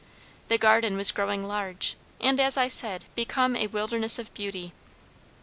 The garden was growing large, and, as I said, become a wilderness of beauty.